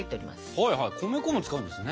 はいはい米粉も使うんですね。